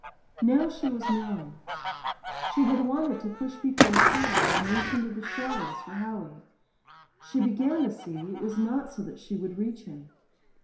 Now she was knowing. She had wanted to push people aside and reach into the shadows for Howie. She began to see that it was not so she would reach him.